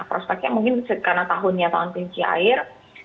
prospeknya mungkin karena tahunnya tahun kelinci air